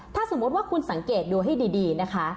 ถ้าสมมุติว่าคุณสังเกตดูให้ดีนะคะ